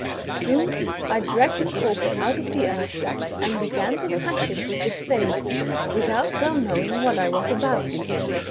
" Soon I dragged the corpse out of the earth, and I began to hash it with the spade, with out well knowing what I was about.